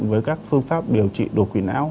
với các phương pháp điều trị đột quỵ não